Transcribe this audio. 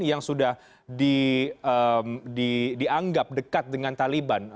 yang sudah dianggap dekat dengan taliban